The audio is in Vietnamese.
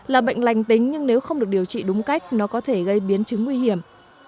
là bệnh lành tính nhưng nếu không được điều trị đúng cách nó có thể gây biến chứng nguy hiểm